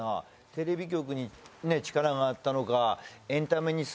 テレビ局に力があったのか。